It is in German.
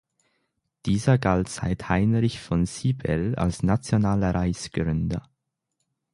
Dieser galt seit Heinrich von Sybel als nationaler Reichsgründer.